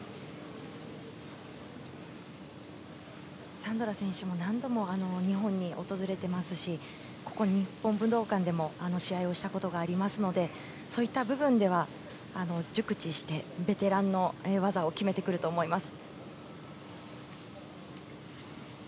サンドラ選手も何度も日本に訪れてますしここ、日本武道館でも試合をしたことがありますのでそういった部分では熟知してベテランの技を決めてくると思います。